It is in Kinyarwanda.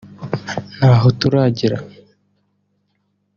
ntaho turagera